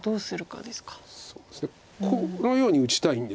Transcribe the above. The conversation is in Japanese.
このように打ちたいんです。